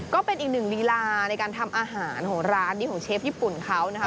ก็เป็นอีกหนึ่งลีลาในการทำอาหารของร้านนี้ของเชฟญี่ปุ่นเขานะคะ